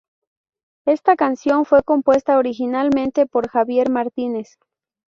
Esta canción fue compuesta originalmente por Javier Martinez.